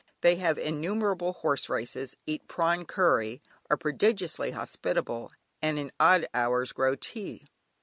They have innumerable horse races, eat prawn curry, are prodigiously hospitable, and in odd hours grow tea.